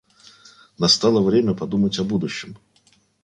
Настало время подумать о будущем.